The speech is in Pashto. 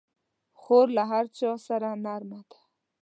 خور له هر چا سره نرمه ده.